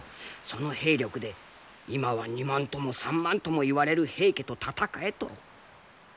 その兵力で今は２万とも３万ともいわれる平家と戦えと？